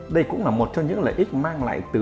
đây cũng là một trong những lợi ích mang lại cho bộ công an